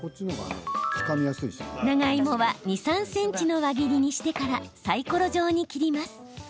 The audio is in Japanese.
長芋は２、３ｃｍの輪切りにしてからサイコロ状に切ります。